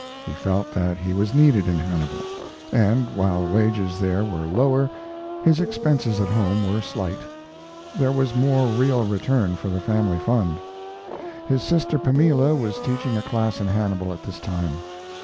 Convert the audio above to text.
He felt that he was needed in Hannibal and, while wages there were lower, his expenses at home were slight; there was more real return for the family fund. His sister Pamela was teaching a class in Hannibal at this time.